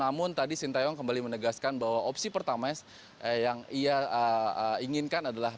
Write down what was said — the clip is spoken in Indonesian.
namun tadi sintayong kembali menegaskan bahwa opsi pertama yang ia inginkan adalah